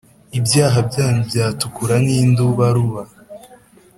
ibyaha byanyu byatukura nk’indubaruba,